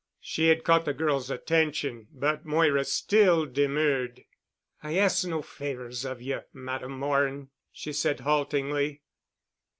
She had caught the girl's attention, but Moira still demurred. "I ask no favors of you, Madame Morin," she said haltingly.